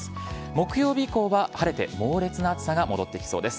木曜日以降は晴れて、猛烈な暑さが戻って来そうです。